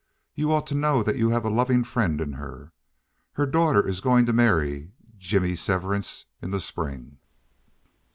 You ought to know that you have a loving friend in her. Her daughter is going to marry Jimmy Severance in the spring."